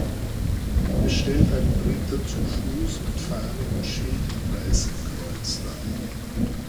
Es stellt einen Ritter zu Fuss mit Fahne und Schild mit weissem Kreuz dar.